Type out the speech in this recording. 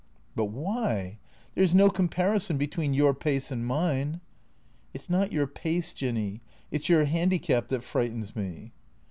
" But why ? There 's no comparison between your pace and mine." " It 's not your pace. Jinny, it 's your handicap that frightens me."